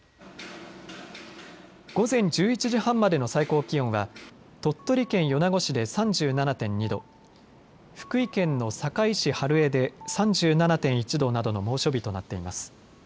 午前１１時半までの最高気温は鳥取県米子市で３７．２度、福井県の坂井市春江で３７．１度などの猛暑日となっています。